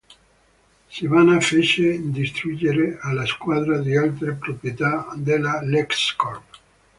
Sivana fece distruggere alla squadra di altre proprietà della LexCorp.